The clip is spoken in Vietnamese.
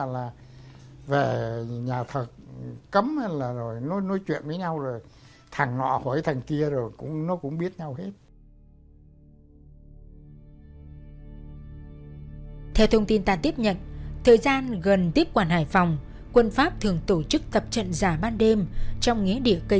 là về nhà thực cấm là rồi nói chuyện với nhau rồi nó đã bị phá hủy đã bắt đầu gặp xong thì nó gặp ra